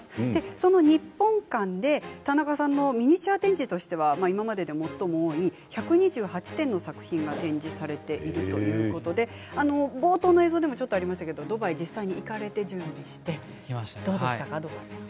その日本館で田中さんのミニチュア展示としては今までで最も多い１２８点の作品が展示されているということで冒頭の映像でもちょっとありましたがドバイに実際に行かれて準備してどうでしたか？